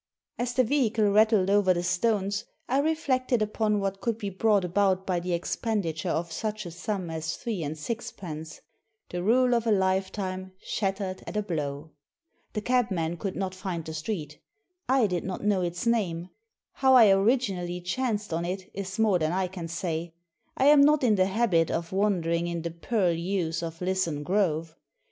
As the vehicle rattled over the stones I reflected upon what could be brought about by the expenditure of such a sum as three and sixpence — ^the rule of a life time shattered at a blow! The cabman could not find the street I did not know its name; how I originally chanced on it is more than I can say. I am not in the Aaiit of wandering in the purlieus of LIsson Grove.